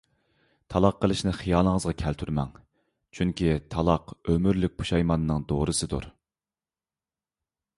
تالاق قىلىشنى خىيالىڭىزغا كەلتۈرمەڭ! چۈنكى، تالاق ئۆمۈرلۈك پۇشايماننىڭ دورىسىدۇر.